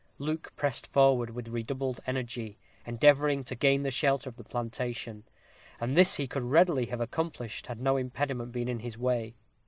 Luke pressed forward with redoubled energy, endeavoring to gain the shelter of the plantation, and this he could readily have accomplished, had no impediment been in his way.